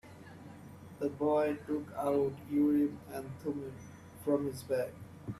The boy took out Urim and Thummim from his bag.